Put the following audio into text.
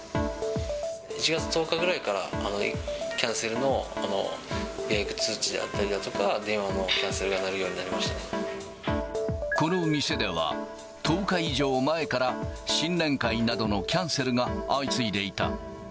１月１０日ぐらいから、キャンセルの予約通知であったりとか、電話のキャンセルが鳴るよこの店では、１０日以上前から新年会などのキャンセルが相次いでいた。